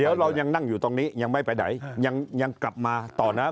เดี๋ยวเรายังนั่งอยู่ตรงนี้ยังไม่ไปไหนยังกลับมาต่อนะ